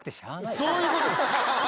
そういうことです。